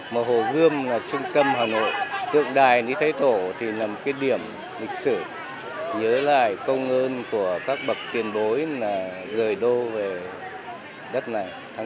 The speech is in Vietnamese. mà hồ gươm là trung tâm hà nội tượng đài lý thái thổ thì là một cái điểm lịch sử nhớ lại công ơn của các bậc tiền bối là rời đô về đất này tháng bốn